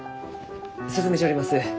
進めちょります。